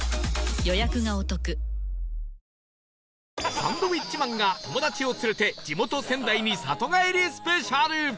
サンドウィッチマンが友達を連れて地元仙台に里帰りスペシャル